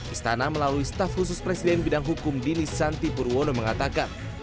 istana melalui staf khusus presiden bidang hukum dini santi purwono mengatakan